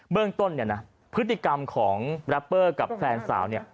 เรื่องต้นเนี่ยนะพฤติกรรมของแรปเปอร์กับแฟนสาวเนี่ย